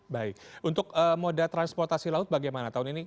baik untuk moda transportasi laut bagaimana tahun ini